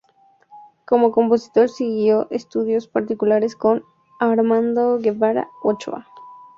Como compositor siguió estudios particulares con Armando Guevara Ochoa.